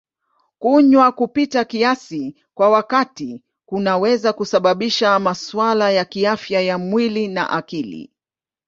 Kunywa kupita kiasi kwa wakati kunaweza kusababisha masuala ya kiafya ya mwili na akili.